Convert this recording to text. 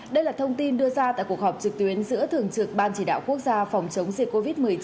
đây là thông tin đưa ra tại cuộc họp trực tuyến giữa thường trực ban chỉ đạo quốc gia phòng chống dịch covid một mươi chín